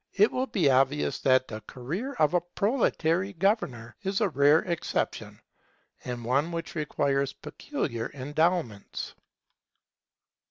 It will be obvious that the career of a proletary governor is a rare exception, and one which requires peculiar endowments.